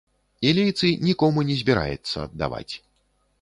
І лейцы нікому не збіраецца аддаваць.